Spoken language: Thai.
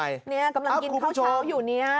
นี่กำลังกินข้าวเช้าอยู่เนี่ย